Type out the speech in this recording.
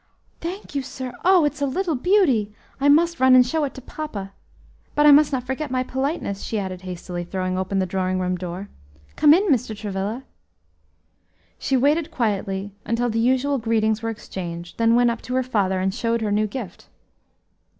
"Thank you, sir; oh! it's a little beauty! I must run and show it to papa. But I must not forget my politeness," she added, hastily throwing open the drawing room door. "Come in, Mr. Travilla." She waited quietly until the usual greetings were exchanged, then went up to her father and showed her new gift.